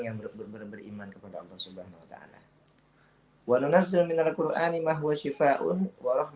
yang beriman kepada allah swt